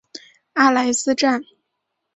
阿莱斯站。